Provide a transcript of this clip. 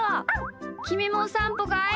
きみもおさんぽかい？